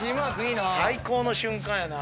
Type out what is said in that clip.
最高の瞬間やな。